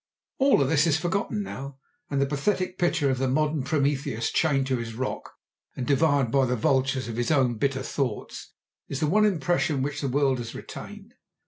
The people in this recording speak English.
All this is forgotten now, and the pathetic picture of the modern Prometheus chained to his rock and devoured by the vultures of his own bitter thoughts, is the one impression which the world has retained.